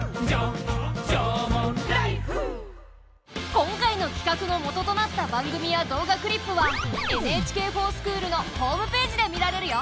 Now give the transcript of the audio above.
今回の企画のもととなった番組や動画クリップは「ＮＨＫｆｏｒＳｃｈｏｏｌ」のホームページで見られるよ。